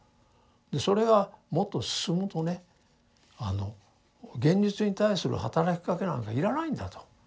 でそれがもっと進むとねあの現実に対するはたらきかけなんか要らないんだと。